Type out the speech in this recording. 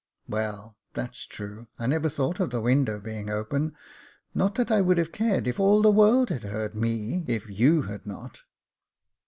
"Well, that's true, I never thought of the window being open ; not that I would have cared if all the world had heard me, if you had not."